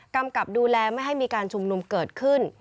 กำกับดูแลไม่ให้มีการชุมนุมเกิดขึ้น